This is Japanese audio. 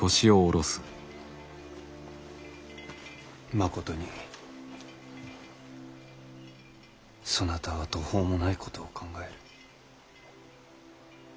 まことにそなたは途方もないことを考える。